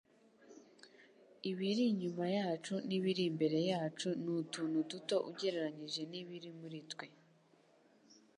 Ibiri inyuma yacu n'ibiri imbere yacu ni utuntu duto ugereranije n'ibiri muri twe.”